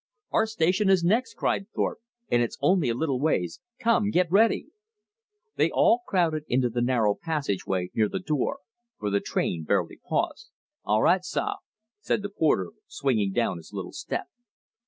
"Our station is next!" cried Thorpe, "and it's only a little ways. Come, get ready!" They all crowded into the narrow passage way near the door, for the train barely paused. "All right, sah," said the porter, swinging down his little step.